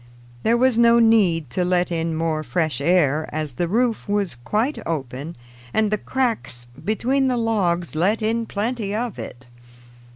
There was no need to let in more fresh air, as the roof was quite open and the cracks between the logs let in plenty of it.